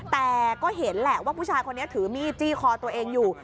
แต่ก็เห็นแหละว่าผู้ชายคนนี้ถือมีดจี้คอตัวเองอยู่